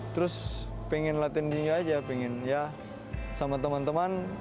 terus pengen latihan juga aja pengen ya sama teman teman